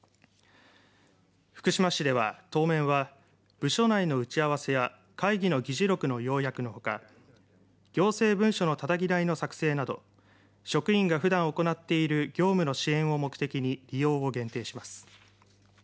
福島市では、当面は部署内の打ち合わせや会議の議事録の要約のほか行政文書のたたき台の作成など職員がふだん行っている業務の支援を目的に利用を限定します。